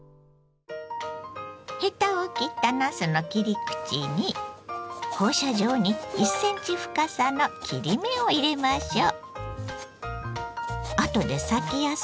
ヘタを切ったなすの切り口に放射状に１センチ深さの切り目を入れましょう。